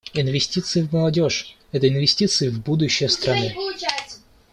Инвестиции в молодежь — это инвестиции в будущее страны.